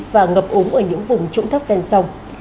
và ngập ống ở những vùng trụng thấp ven sông